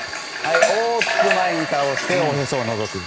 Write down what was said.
大きく前に倒しておへそをのぞく。